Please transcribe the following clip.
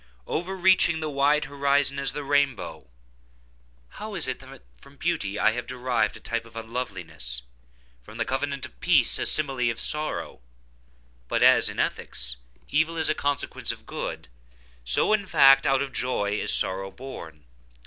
Overreaching the wide horizon as the rainbow! How is it that from beauty I have derived a type of unloveliness?—from the covenant of peace, a simile of sorrow? But as, in ethics, evil is a consequence of good, so, in fact, out of joy is sorrow born.